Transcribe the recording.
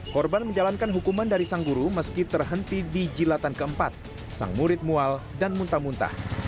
korban menjalankan hukuman dari sang guru meski terhenti di jilatan keempat sang murid mual dan muntah muntah